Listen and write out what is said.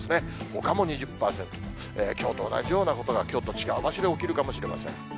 ほかも２０％と、きょうと同じようなことが、きょうと違う場所で起きるかもしれません。